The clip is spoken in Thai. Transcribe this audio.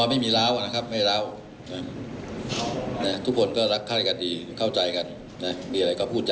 อ้ายังรักกันดี